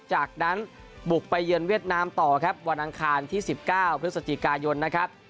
จากนั้นบุกไปเยือนเวียดนามต่อครับวันอังคารที่๑๙พฤศจิกายนนะครับ